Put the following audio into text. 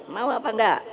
mau apa enggak